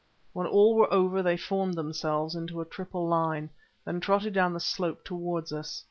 When all were over they formed themselves into a triple line, then trotted down the slope towards us.